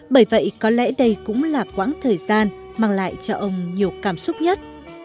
bởi vậy có lẽ đây cũng là quãng thời gian mang lại cho ông nhiều cảm xúc nhất